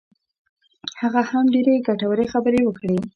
هغه هم ډېرې ګټورې خبرې وکړې.